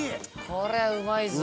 これうまいぞ。